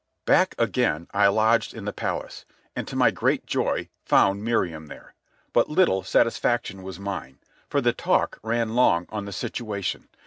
Back again, I lodged in the palace, and to my great joy found Miriam there. But little satisfaction was mine, for the talk ran long on the situation.